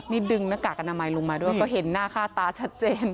นี่ดึงหน้ากากอนามัยลงมาด้วยก็เห็นหน้าค่าตาชัดเจน